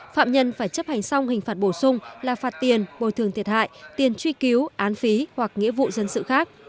phạm nhân phải chấp hành xong hình phạt bổ sung là phạt tiền bồi thường thiệt hại tiền truy cứu án phí hoặc nghĩa vụ dân sự khác